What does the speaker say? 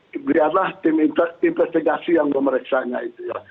dilihatlah tim investigasi yang memeriksanya itu ya